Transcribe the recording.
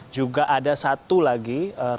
juga ada satu lagi